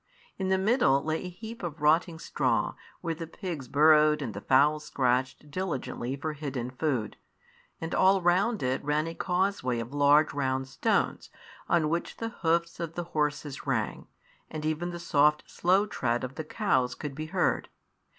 In the middle lay a heap of rotting straw, where the pigs burrowed and the fowls scratched diligently for hidden food; and all round it ran a causeway of large round stones, on which the hoofs of the horses rang, and even the soft, slow tread of the cows could be heard.